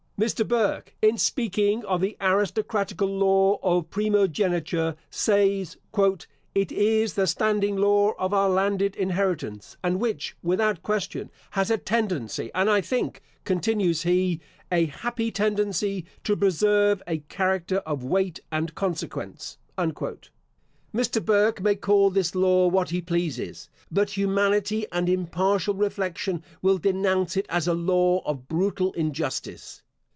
Mr. Burke, in speaking of the aristocratical law of primogeniture, says, "it is the standing law of our landed inheritance; and which, without question, has a tendency, and I think," continues he, "a happy tendency, to preserve a character of weight and consequence." Mr. Burke may call this law what he pleases, but humanity and impartial reflection will denounce it as a law of brutal injustice.